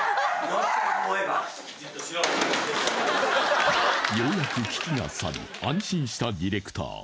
じっとしろようやく危機が去り安心したディレクター